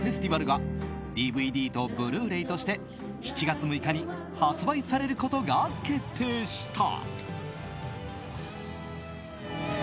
’ｓＦｅｓｔｉｖａｌがＤＶＤとブルーレイとして７月６日に発売されることが決定した。